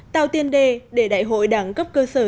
tạo tiên đề để đại hội đảng cấp cơ sở